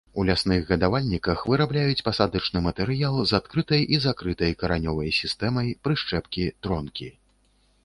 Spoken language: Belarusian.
У лясных гадавальніках вырабляюць пасадачны матэрыял з адкрытай і закрытай каранёвай сістэмай, прышчэпкі, тронкі.